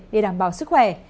để đảm bảo sức khỏe